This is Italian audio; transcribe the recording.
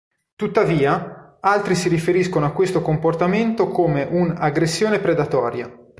Tuttavia, altri si riferiscono a questo comportamento come un"'aggressione predatoria".